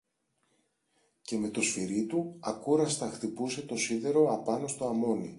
Και με το σφυρί του, ακούραστα χτυπούσε το σίδερο απάνω στο αμόνι.